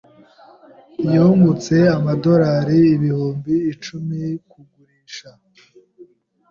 Yungutse amadorari ibihumbi icumi kugurisha.